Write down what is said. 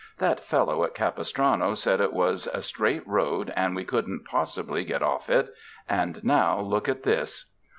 That fel low at Capistrano said it was a straight road and we couldn't possibly get off it, and now look at this!"